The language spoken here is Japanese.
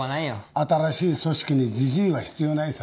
新しい組織にジジイは必要ないさ。